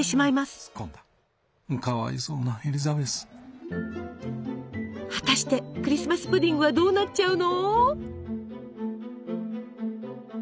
かわいそうなエリザベスはたしてクリスマス・プディングはどうなっちゃうの？